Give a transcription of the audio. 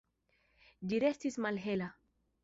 Ĝi restis malhela.